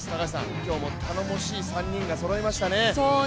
今日も頼もしい３人がそろいましたね。